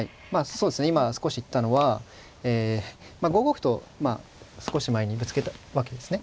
そうですね今少し言ったのは５五歩と少し前にぶつけたわけですね。